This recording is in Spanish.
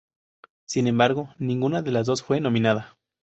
Sin embargo, ninguna de las dos fue nominada.